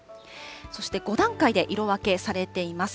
そして５段階で色分けされています。